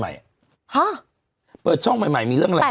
ฮะเปิดช่องใหม่มีเรื่องราว